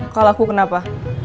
kalau aku kenapa